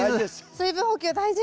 水分補給大事！